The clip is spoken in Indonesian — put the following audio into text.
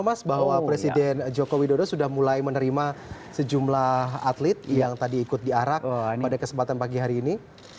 mas bahwa presiden joko widodo sudah mulai menerima sejumlah atlet yang tadi ikut diarak pada kesempatan pagi hari ini